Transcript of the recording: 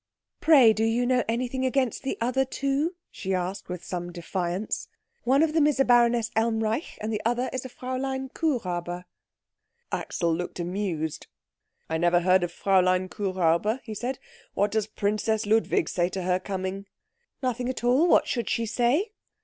"Pray, do you know anything against the other two?" she asked with some defiance. "One of them is a Baroness Elmreich, and the other is a Fräulein Kuhräuber." Axel looked amused. "I never heard of Fräulein Kuhräuber," he said. "What does Princess Ludwig say to her coming?" "Nothing at all. What should she say?"